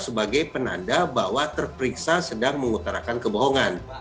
sebagai penanda bahwa terperiksa sedang mengutarakan kebohongan